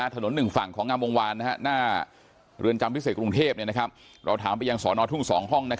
ถนนหนึ่งฝั่งของงามวงวานหน้าเรือนจำพิเศษกรุงเทพเราถามไปยังสอนอทุ่ง๒ห้อง